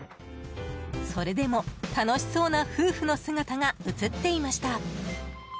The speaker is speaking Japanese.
それでも、楽しそうな夫婦の姿が映っていました。